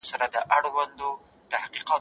قرآن د بشريت د لارښوونې کتاب دی.